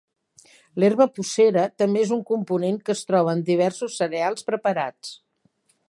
L'herba pucera també és un component que es troba en diversos cereals preparats.